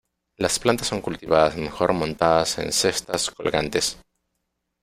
Las plantas son cultivadas mejor montadas en cestas colgantes.